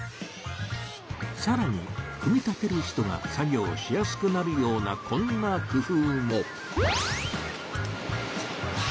さらに組み立てる人が作業しやすくなるようなこんな工夫も！